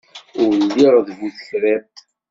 Ur lliɣ d bu tekriṭ.